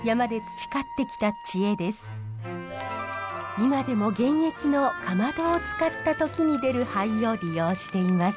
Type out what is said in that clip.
今でも現役のかまどを使った時に出る灰を利用しています。